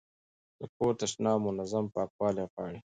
د کور تشناب منظم پاکوالی غواړي.